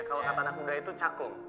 kalau kata anak muda itu cakung